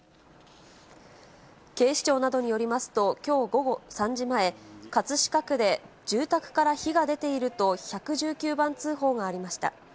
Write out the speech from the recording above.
警視庁などによりますと、きょう午後３時前、葛飾区で住宅から火が出ていると１１９番通報がありました。